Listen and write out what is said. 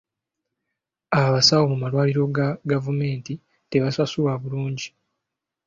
Abasawo mu malwaliro ga gavumenti tebasasulwa bulungi.